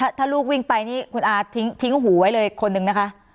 ถ้าลูกวิ่งไปนี่คุณอาทิ้งหูไว้เลยคนนึงนะคะ